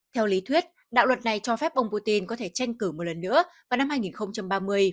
theo lý thuyết đạo luật này cho phép ông putin có thể tranh cử một lần nữa vào năm hai nghìn ba mươi